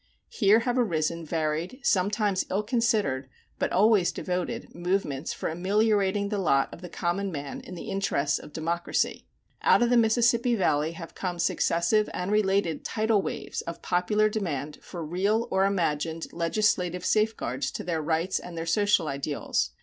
Here have arisen varied, sometimes ill considered, but always devoted, movements for ameliorating the lot of the common man in the interests of democracy. Out of the Mississippi Valley have come successive and related tidal waves of popular demand for real or imagined legislative safeguards to their rights and their social ideals.